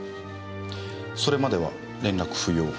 「それまでは連絡不要」